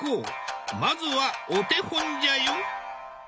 まずはお手本じゃよ。